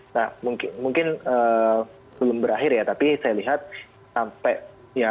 nah mungkin belum berakhir ya tapi saya lihat sampai ya